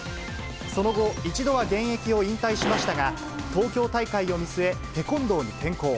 その後、一度は現役を引退しましたが、東京大会を見据え、テコンドーに転向。